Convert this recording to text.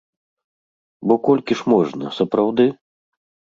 Бо колькі ж можна, сапраўды?